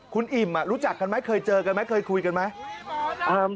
คุณอิ่มรู้จักกันไหมเคยเจอกันไหมเคยคุยกันไหม